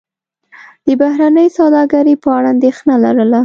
د بهرنۍ سوداګرۍ په اړه اندېښنه لرله.